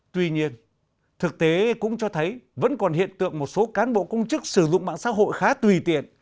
tuy nhiên thực tế cũng cho thấy vẫn còn hiện tượng một số cán bộ công chức sử dụng mạng xã hội khá tùy tiện